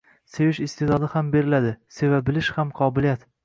sevish iste’dodi ham beriladi. Seva bilish ham qobiliyat.